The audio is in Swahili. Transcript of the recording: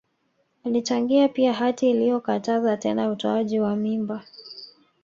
Alichangia pia hati iliyokataza tena utoaji wa mimba